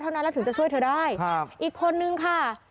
เท่านั้นแล้วถึงจะช่วยเธอได้ครับอีกคนนึงค่ะ